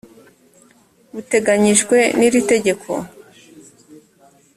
buteganyijwe n iri tegeko